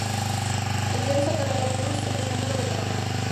El diario sacará a la luz el escándalo de Panamá.